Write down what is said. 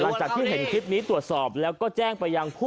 หลังจากที่เห็นคลิปนี้ตรวจสอบแล้วก็แจ้งไปยังผู้